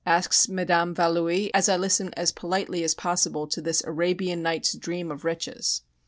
asks Madame Valoie, as I listen as politely as possible to this Arabian Nights' dream of riches.